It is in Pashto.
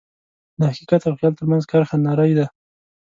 د حقیقت او خیال ترمنځ کرښه نری ده.